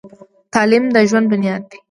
تعلیم د ژوند بنیاد دی.